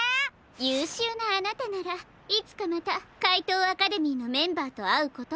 ゆうしゅうなあなたならいつかまたかいとうアカデミーのメンバーとあうこともありそうですね。